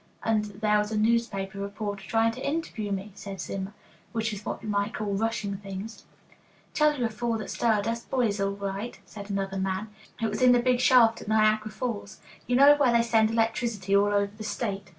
"And there was a newspaper reporter trying to interview me," said Zimmer, "which is what you might call rushing things." "Tell ye a fall that stirred us boys all right," said another man. "It was in the big shaft at Niagara Falls. You know where they send electricity all over the State.